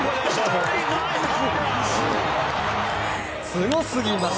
すごすぎます。